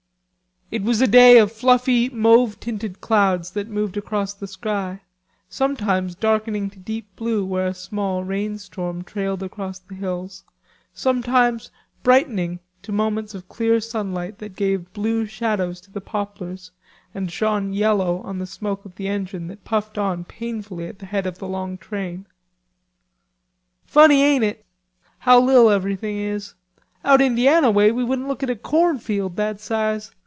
It was a day of fluffy mauve tinted clouds that moved across the sky, sometimes darkening to deep blue where a small rainstorm trailed across the hills, sometimes brightening to moments of clear sunlight that gave blue shadows to the poplars and shone yellow on the smoke of the engine that puffed on painfully at the head of the long train. "Funny, ain't it? How li'l everythin' is," said Chrisfield. "Out Indiana way we wouldn't look at a cornfield that size.